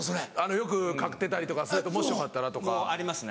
よく買ってたりとかするともしよかったらとか。もありますね。